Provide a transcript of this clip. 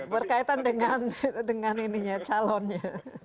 berkaitan dengan calonnya